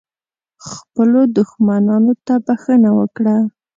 خپلو دښمنانو ته بښنه وکړه .